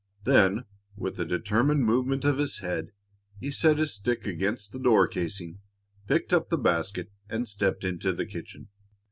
Then, with a determined movement of his head, he set his stick against the door casing, picked up the basket, and stepped into the kitchen.